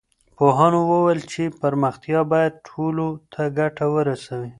پوهانو وويل چي پرمختيا بايد ټولو ته ګټه ورسوي.